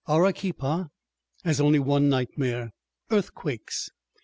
Arequipa has only one nightmare earthquakes.